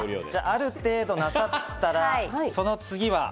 ある程度なさったら、次。